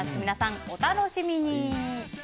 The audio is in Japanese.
皆さん、お楽しみに！